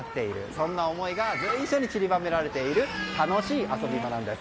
そんな思いが随所に散りばめられている楽しい遊び場なんです。